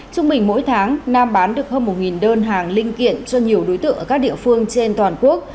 trung bình mỗi tháng nam bán được hơn một đơn hàng linh kiện cho nhiều đối tượng ở các địa phương trên toàn quốc